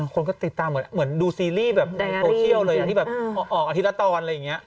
คนก็ติดตามเหมือนดูซีรีส์แบบในโซเชียลเลยที่แบบออกอาทิตย์ละตอนอะไรอย่างนี้